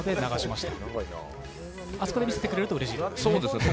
あそこで見せてくれるとうれしいということですね。